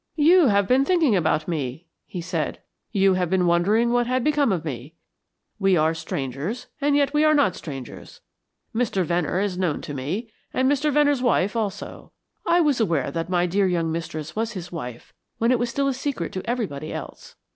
"You have been thinking about me," he said "you have been wondering what had become of me. We are strangers, and yet we are not strangers. Mr. Venner is known to me, and Mr. Venner's wife also. I was aware that my dear young mistress was his wife when it was still a secret to everybody else.